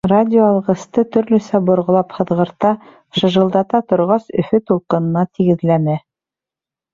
Радиоалғысты төрлөсә борғолап һыҙғырта, шыжылдата торғас, Өфө тулҡынына тигеҙләне.